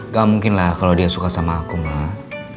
gak mungkin lah kalau dia suka sama aku mah